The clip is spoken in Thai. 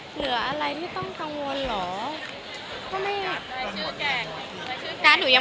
เหลืออะไรที่ต้องก้วง